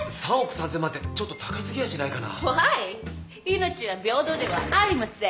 命は平等ではありません。